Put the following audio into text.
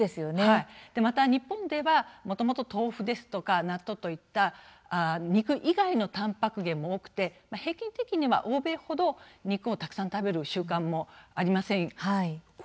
また日本ではもともと豆腐ですとか納豆といった肉以外のたんぱく源も多くて平均的には欧米ほど肉をたくさん食べる習慣もありません。